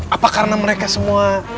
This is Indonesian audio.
apa karena mereka semua